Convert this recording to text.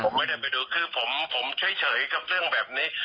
ผมไม่ได้ไปดูคือผมเฉยกับเรื่องแบบนี้